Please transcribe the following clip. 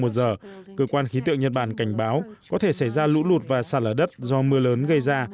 một giờ cơ quan khí tượng nhật bản cảnh báo có thể xảy ra lũ lụt và sạt lở đất do mưa lớn gây ra